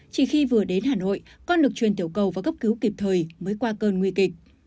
chỉ khi vừa đến hà nội con được truyền tiểu cầu và cấp cứu kịp thời mới qua cơn nguy kịch